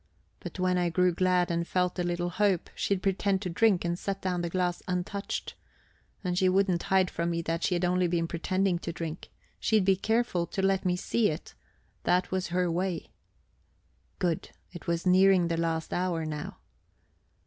But when I grew glad and felt a little hope, she'd pretend to drink, and set down the glass untouched. And she wouldn't hide from me that she'd only been pretending to drink; she'd be careful to let me see it. That was her way. Good it was nearing the last hour now.